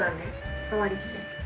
お代わりして。